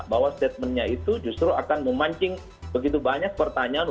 bahwa statementnya itu justru akan memancing begitu banyak pertanyaan